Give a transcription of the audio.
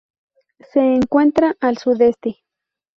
Se encuentra al sudeste.